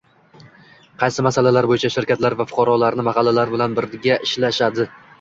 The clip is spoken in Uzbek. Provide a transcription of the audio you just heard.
Qaysi masalalar bo‘yicha shirkatlar va fuqarolarni mahallalar bilan birga ishlashadi?